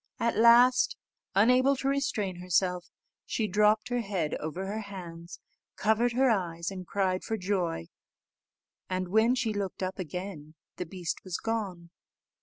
At last, unable to restrain herself, she dropped her head over her hands, covered her eyes, and cried for joy; and, when she looked up again, the beast was gone.